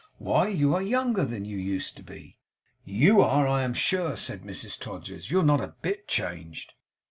'Why, you are younger than you used to be!' 'YOU are, I am sure!' said Mrs Todgers. 'You're not a bit changed.